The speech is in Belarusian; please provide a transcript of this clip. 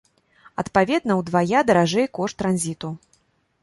Адпаведна ўдвая даражэй кошт транзіту.